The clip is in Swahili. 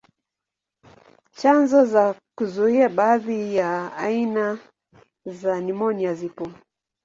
Chanjo za kuzuia baadhi ya aina za nimonia zipo.